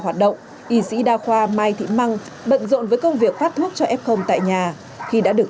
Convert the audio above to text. hoạt động y sĩ đa khoa mai thị măng bận rộn với công việc phát thuốc cho f tại nhà khi đã được